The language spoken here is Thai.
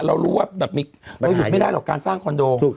เรารู้ว่าไม่ได้การสร้างคอนโด